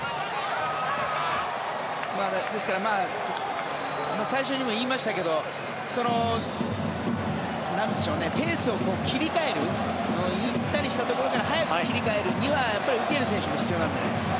ですから最初にも言いましたけどペースを切り替えるゆったりとしたところから速くに切り替えるには受ける選手も必要なんだよね。